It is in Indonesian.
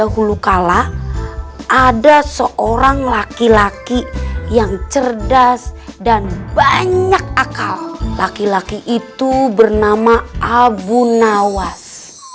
dahulu kala ada seorang laki laki yang cerdas dan banyak akal laki laki itu bernama abu nawas